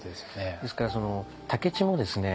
ですから武市もですね